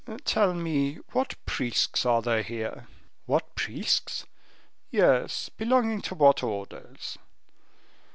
"Tell me what priests are there here?" "What priests?" "Yes; belonging to what orders?"